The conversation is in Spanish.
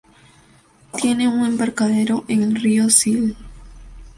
Tiene un embarcadero en el río Sil.